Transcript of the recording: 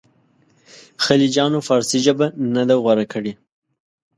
خلجیانو فارسي ژبه نه ده غوره کړې.